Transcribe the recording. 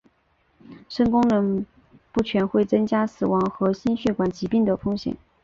肾功能不全会增加死亡和心血管疾病的风险。